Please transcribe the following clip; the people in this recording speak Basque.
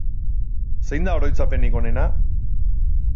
Zein da oroitzapenik onena?